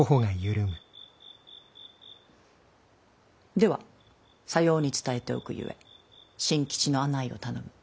ではさように伝えておくゆえ進吉の案内を頼む。